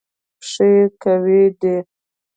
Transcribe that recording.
پښې قوي دي.